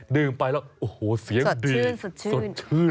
ดื่มไปแล้วโอ้โหเสียงดีสดชื่นสดชื่น